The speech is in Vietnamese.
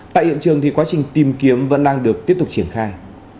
tại hiện trường thì quá trình tìm kiếm vẫn đang được tiếp tục triển khai